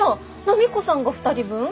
波子さんが２人分？